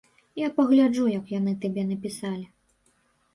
Я пагляджу, як яны табе напісалі.